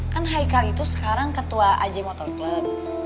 kan haikal itu sekarang ketua aj motor club